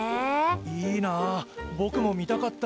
いいなあぼくも見たかった。